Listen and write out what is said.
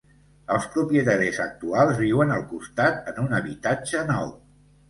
Els propietaris actuals viuen al costat en un habitatge nou.